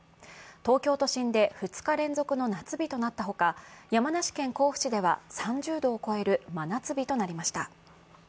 東京都心で２日連続の夏日となったほか山梨県甲府市では３０度を超える真夏日となりました。